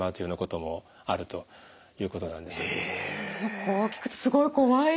こう聞くとすごい怖いですよね。